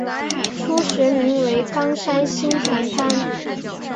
初时名为冈山新田藩。